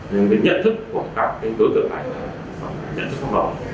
nhưng cái nhận thức của các tổ tượng này là nhận thức không đồng